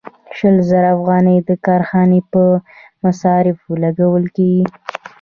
شل زره افغانۍ د کارخانې په مصارفو لګول کېږي